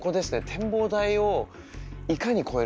展望台をいかに越えるかと。